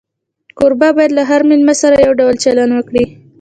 کوربه باید له هر مېلمه سره یو ډول چلند وکړي.